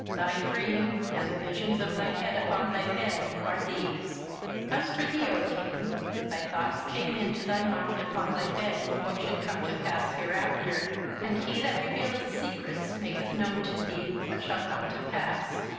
Thy dream, and the visions of thy head upon thy bed, are these; 27:002:029 As for thee, O king, thy thoughts came into thy mind upon thy bed, what should come to pass hereafter: and he that revealeth secrets maketh known to thee what shall come to pass.